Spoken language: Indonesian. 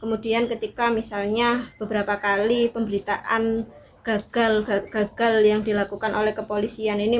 kemudian ketika misalnya beberapa kali pemberitaan gagal gagal yang dilakukan oleh kepolisian ini